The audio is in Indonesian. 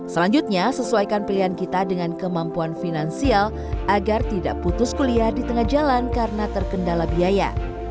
selanjutnya sesuaikan pilihan kita dengan kemampuan finansial agar tidak putus kuliah di tengah jalan karena terkendala biaya